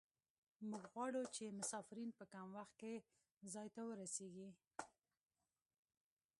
موږ غواړو چې مسافرین په کم وخت کې ځای ته ورسیږي